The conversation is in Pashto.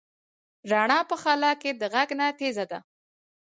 رڼا په خلا کې د غږ نه تېزه ده.